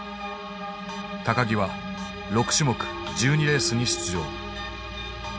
木は６種目１２レースに出場。